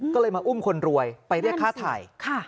ก็เลยมาอุ้มคนรวยไปเรียกฆ่าไทย